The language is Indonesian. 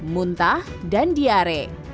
muntah dan diare